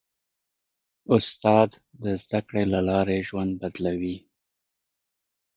استاد د زدهکړې له لارې ژوند بدلوي.